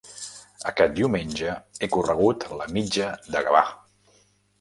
Aquest diumenge he corregut la Mitja de Gavà.